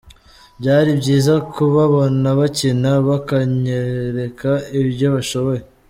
Byari byiza kubabona bakina bakanyereka ibyo bashoboye.